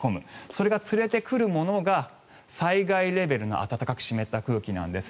それが連れてくるものが災害レベルの暖かく湿った空気なんです。